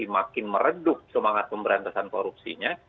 makin meredup semangat pemberantasan korupsinya